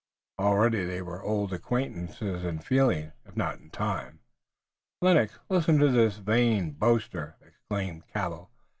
Already they were old acquaintances in feeling, if not in time. "Lennox, listen to this vain boaster!" exclaimed Cabell.